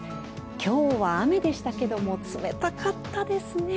今日は雨でしたけども冷たかったですね。